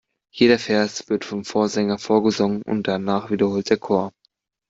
Jeder Vers wird vom Vorsänger vorgesungen und danach wiederholt der Chor.